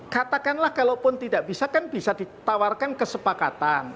katakanlah kalaupun tidak bisa kan bisa ditawarkan kesepakatan